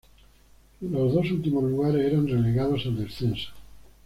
Los dos últimos lugares eran relegados al descenso.